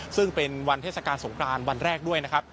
ซึ่งเป็นวันเทศกาลสงครานวันแรกด้วยนะครับ